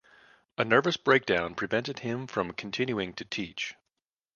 A nervous breakdown prevented him from continuing to teach.